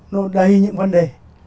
nó đầy những vấn đề